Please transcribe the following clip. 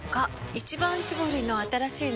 「一番搾り」の新しいの？